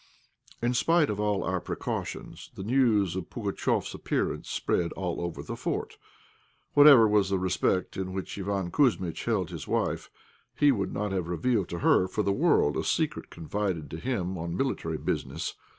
In spite of all our precautions the news of Pugatchéf's appearance spread all over the fort. Whatever was the respect in which Iván Kouzmitch held his wife, he would not have revealed to her for the world a secret confided to him on military business.